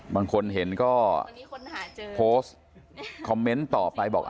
บางคนเห็นก็โพสต์คอมเมนต์ต่อไปบอก